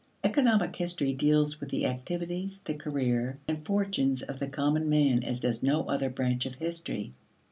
Economic history deals with the activities, the career, and fortunes of the common man as does no other branch of history.